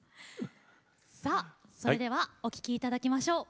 さあそれではお聴き頂きましょう。